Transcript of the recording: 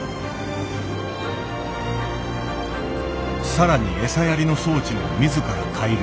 更に餌やりの装置も自ら改良。